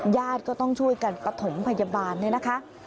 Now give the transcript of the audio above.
ญาติก็ต้องช่วยกันปฐมพยาบาลเนี่ยนะคะ